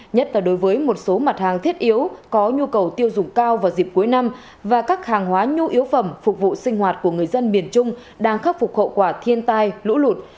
nhất là đối với một số mặt hàng thiết yếu có nhu cầu tiêu dùng cao vào dịp cuối năm và các hàng hóa nhu yếu phẩm phục vụ sinh hoạt của người dân miền trung đang khắc phục hậu quả thiên tai lũ lụt